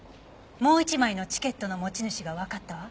もう一枚のチケットの持ち主がわかったわ。